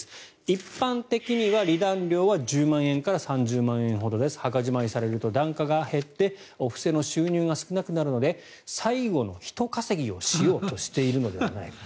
一般的には離檀料は１０万円から３０万円ほどです。墓じまいされると檀家が減ってお布施の収入が少なくなるので最後のひと稼ぎをしようとしているのではないか。